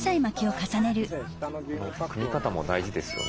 この組み方も大事ですよね。